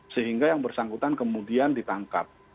sehingga yang bersangkutan kemudian ditangkap